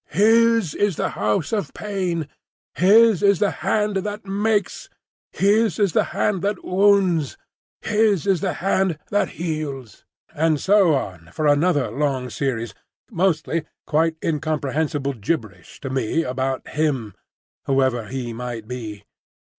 "His is the House of Pain. "His is the Hand that makes. "His is the Hand that wounds. "His is the Hand that heals." And so on for another long series, mostly quite incomprehensible gibberish to me about Him, whoever he might be.